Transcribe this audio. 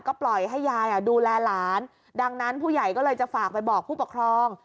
ก็ปล่อยให้ยายดูแลหลานดังนั้นผู้ใหญ่ก็เลยจะฝากไปบอกผู้ปกครอง